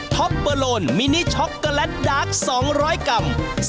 ็อปเบอร์โลนมินิช็อกโกแลตดาร์ก๒๐๐กรัม